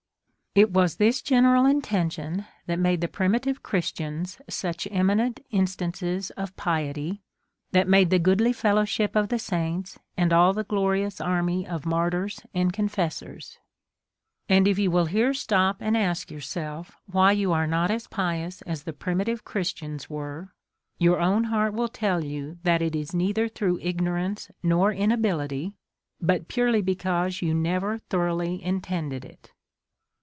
It was this general intention that made the primi tive Christians such eminent instances of piety, that made the goodly fellowship of the saints, and all the glorious army of martyrs and confessors. And if you will here stop and ask yourself why you are not as pious as the primitive Christians were, your own heart will tell you that it is neither through ignorance nor inability, but purely because you never thoroughly in tended it.